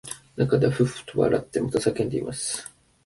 中ではふっふっと笑ってまた叫んでいます